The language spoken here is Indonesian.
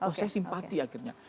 oh saya simpati akhirnya